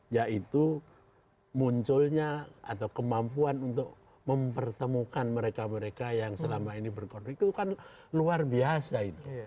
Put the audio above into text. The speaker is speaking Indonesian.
yaitu munculnya atau kemampuan untuk mempertemukan mereka mereka yang selama ini berkonflik itu kan luar biasa itu